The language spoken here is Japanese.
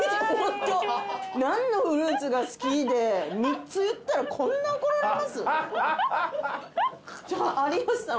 ホント「何のフルーツが好き？」で３つ言ったらこんな怒られます？